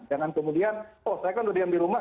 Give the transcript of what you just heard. jangan kemudian oh saya kan udah diam di rumah